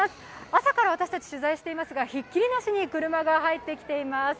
朝から私たち取材していますがひっきりなしに車が入ってきています。